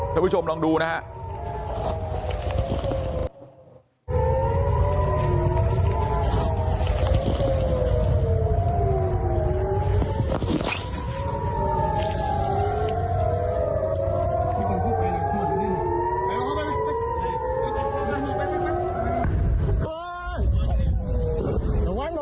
กลับมาเมื่อเวลาที่สุดพวกมันกลับมาเมื่อเวลาที่สุด